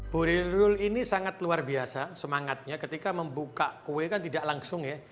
bu rirul ini sangat luar biasa semangatnya ketika membuka kue kan tidak langsung ya